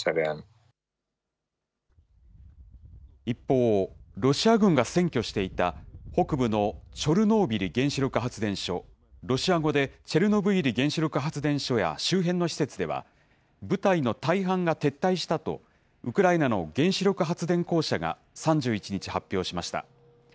一方、ロシア軍が占拠していた北部のチョルノービリ原子力発電所、ロシア語でチェルノブイリ原子力発電所や周辺の施設では、部隊の大半が撤退したと、ウクライナの原子力発電公社が３１日、発表しました。